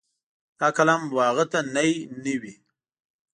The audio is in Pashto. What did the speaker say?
دا قلم و هغه ته نی نه وي.